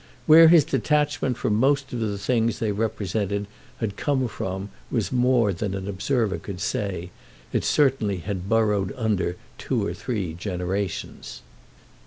Where his detachment from most of the things they represented had come from was more than an observer could say—it certainly had burrowed under two or three generations.